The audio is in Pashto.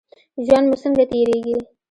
ژوند مو څنګه تیریږي؟